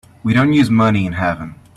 We don't use money in heaven.